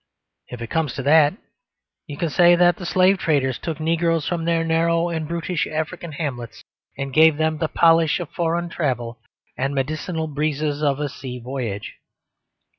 If it comes to that, you can say that the slave traders took negroes from their narrow and brutish African hamlets, and gave them the polish of foreign travel and medicinal breezes of a sea voyage.